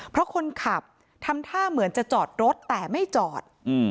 เพราะคนขับทำท่าเหมือนจะจอดรถแต่ไม่จอด